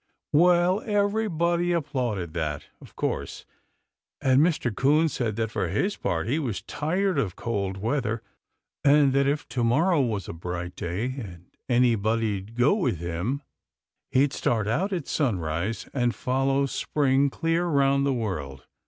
Well, everybody applauded that, of course; and Mr. 'Coon said that for his part he was tired of cold weather, and that if to morrow was a bright day, and anybody'd go with him, he'd start out at sunrise and follow Spring clear around the world.